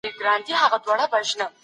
داخلیدل اجازه غواړي.